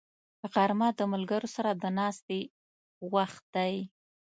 غرمه د ملګرو سره د ناستې وخت دی